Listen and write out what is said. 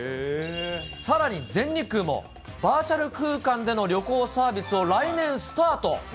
さらに全日空も、バーチャル空間での旅行サービスを来年スタート。